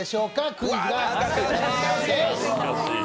クイズ」です。